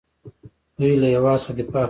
دوی له هیواد څخه دفاع کوي.